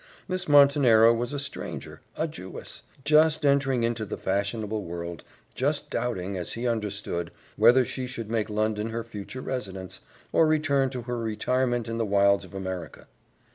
Miss Montenero was a stranger, a Jewess, just entering into the fashionable world just doubting, as he understood, whether she should make London her future residence, or return to her retirement in the wilds of America.